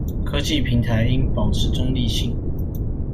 科技平台應保持中立性